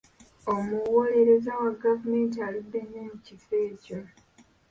Omuwolereza wa gavumenti aludde nnyo mu kifo ekyo.